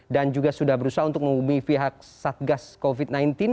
dan juga sudah berusaha untuk menghubungi pihak satgas covid sembilan belas